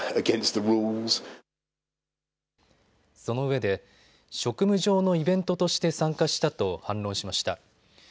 そのうえで職務上のイベントとして参加したと反論しました。